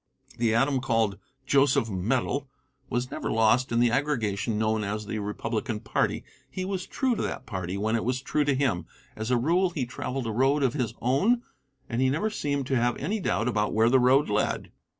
The atom called Joseph Medill was never lost in the aggregation known as the Republican party. He was true to that party when it was true to him. As a rule he traveled a road of his own and he never seemed to have any doubt about where the road led.